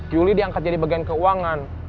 juli diangkat jadi bagian keuangan